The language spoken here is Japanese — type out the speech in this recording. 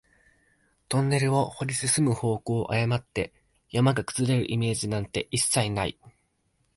トンネルを掘り進む方向を誤って、山が崩れるイメージなんて一切ない